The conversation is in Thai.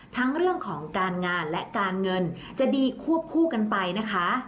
ทั้งเรื่องของการงานและการเงินจะดีควบคู่กันไปนะคะ